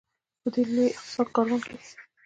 په دې لوی اقتصادي کاروان کې.